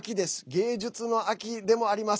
芸術の秋でもあります。